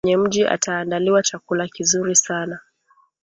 baba mwenye mji ataandaliwa chakula kizuri sana